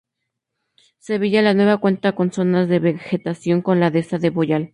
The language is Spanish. Sevilla la Nueva cuenta con zonas de vegetación como la dehesa del Boyal.